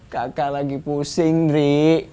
kakak lagi pusing dri